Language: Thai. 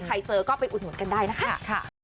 เจอก็ไปอุดหนุนกันได้นะคะ